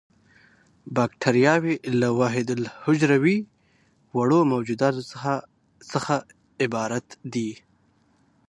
باکټریاوې له وحیدالحجروي وړو موجوداتو څخه عبارت دي.